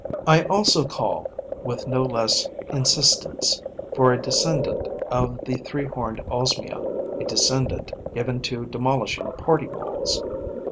I also call, with no less insistence, for a descendant of the Three horned Osmia, a descendant given to demolishing party walls.